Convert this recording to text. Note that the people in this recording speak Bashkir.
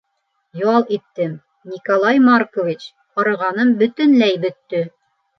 — Ял иттем, Николай Маркович, арығаным бөтөнләй бөттө.